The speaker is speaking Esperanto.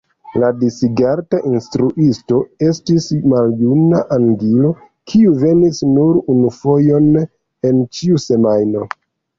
La Disigarta instruisto estis maljuna angilo kiu venis nur unufojon en ĉiu semajno.